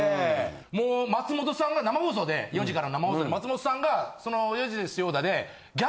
もう松本さんが生放送で４時から生放送で松本さんが『４時ですよだ』で。